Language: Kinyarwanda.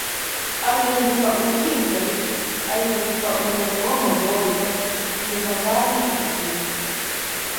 Ahinduka uruhinja ruto, Ahinduka umuntu wamagorwa, Yumva kandi agahinda